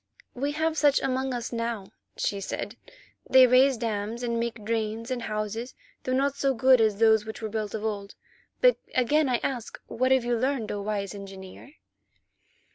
"We have such among us now," she said. "They raise dams and make drains and houses, though not so good as those which were built of old. But again I ask—what have you learned, O wise Engineer?"